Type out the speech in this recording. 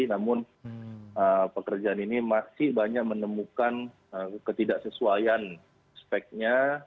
namun pekerjaan ini masih banyak menemukan ketidaksesuaian speknya